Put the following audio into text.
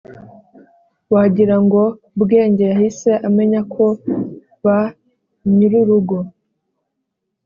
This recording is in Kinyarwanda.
wagira ngo bwenge yahise amenya ko ba nyir'ururugo